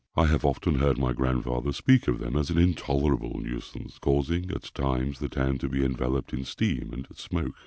I have often heard my grandfather speak of them as an intolerable nuisance, causing, at times, the town to be enveloped in steam and smoke.